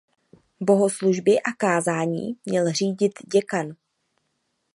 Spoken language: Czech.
Bohoslužby a kázání měl řídit děkan.